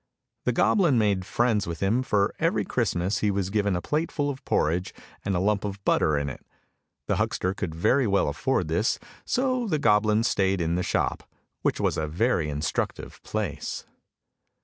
The goblin made friends with him, for every Christmas he was given a plateful of porridge with a lump of butter in it. The huckster could very well afford this, so the goblin stayed in the shop, which was a very instructive place.